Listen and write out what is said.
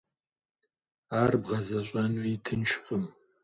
Ар бгъэзэщӏэнуи тыншкъым.